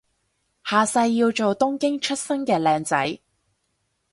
下世要做東京出身嘅靚仔